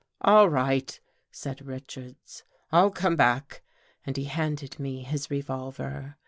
" All right," said Richards, " I'll come back," and he handed me his revolver.